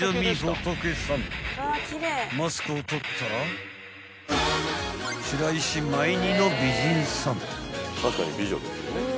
［マスクを取ったら白石麻衣似の美人さん］